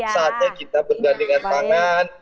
saatnya kita bergandingan tangan